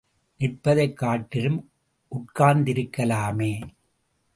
நிற்பதைக் காட்டிலும் உட்கார்ந்திருக்கலாமே!